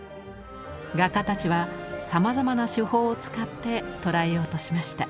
画家たちはさまざまな手法を使って捉えようとしました。